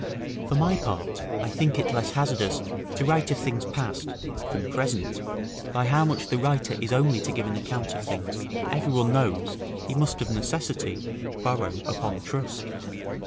For my part, I think it less hazardous to write of things past, than present, by how much the writer is only to give an account of things every one knows he must of necessity borrow upon trust.